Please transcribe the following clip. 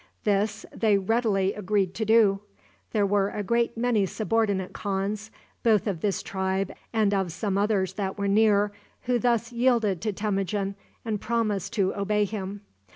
This they readily agreed to do. There were a great many subordinate khans, both of this tribe and of some others that were near, who thus yielded to Temujin, and promised to obey him.